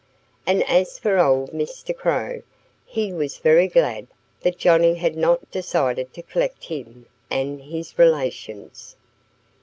And as for old Mr. Crow, he was very glad that Johnnie had not decided to collect him and his relations.